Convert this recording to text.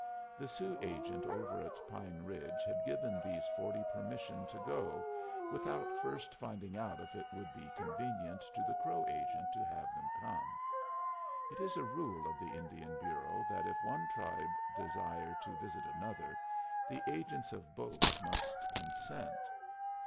The Sioux agent over at Pine Ridge had given these forty permission to go, without first finding out if it would be convenient to the Crow agent to have them come. It is a rule of the Indian Bureau that if one tribe desire to visit another, the agents of both must consent.